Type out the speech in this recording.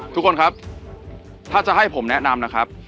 ทุกคนครับถ้าจะให้ผมแนะนำนะครับ